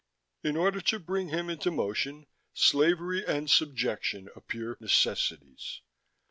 In order to bring him into motion, slavery and subjection appear necessities.